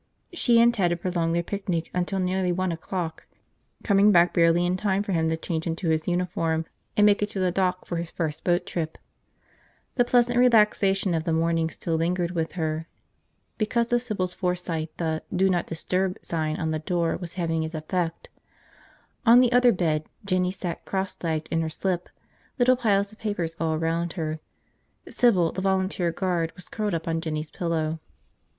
She and Ted had prolonged their picnic until nearly one o'clock, coming back barely in time for him to change into his uniform and make it to the dock for his first boat trip. The pleasant relaxation of the morning still lingered with her. Because of Sybil's foresight, the "Do Not Disturb!" sign on the door was having its effect. On the other bed, Jinny sat crosslegged in her slip, little piles of papers all around her. Sybil, the volunteer guard, was curled up on Jinny's pillows.